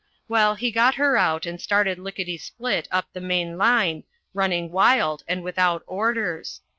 Well, he got her out and started lickety split up the main line, running wild and without orders.